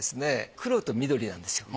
黒と緑なんですよ。